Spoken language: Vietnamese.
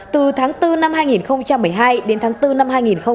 từ tháng bốn năm hai nghìn một mươi hai đến tháng bốn năm hai nghìn một mươi chín